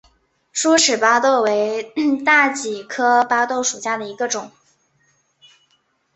疏齿巴豆为大戟科巴豆属下的一个种。